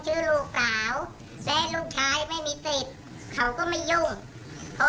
เพราะว่าเราต้องกว่าชีวิตมากกว่าลูกสาว